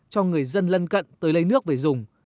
cho người dân lân cận tới lấy nước về dùng